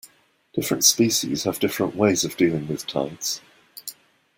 Different species have different ways of dealing with tides.